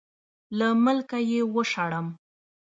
له ملکه یې وشړم.